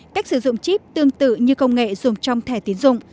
cách sử dụng chip tương tự như công nghệ dùng trong thẻ tiến dụng